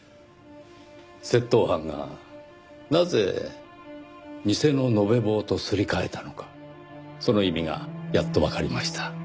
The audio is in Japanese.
窃盗犯がなぜ偽の延べ棒とすり替えたのかその意味がやっとわかりました。